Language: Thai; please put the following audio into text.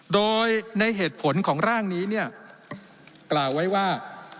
โดยในเหตุผลของร่างนี้เนี่ยกล่าวไว้ว่า